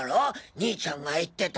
兄ちゃんが言ってた。